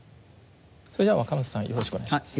それでは若松さんよろしくお願いします。